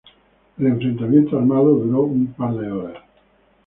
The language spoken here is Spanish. El enfrentamiento armado duró un par de horas.